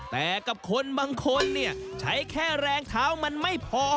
แต่กับคนบางคนเนี่ยใช้แค่แรงเท้ามันไม่พอ